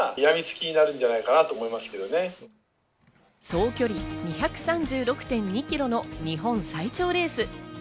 総距離２３６．２キロの日本最長レース。